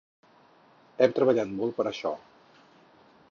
Hem treballat molt per a això.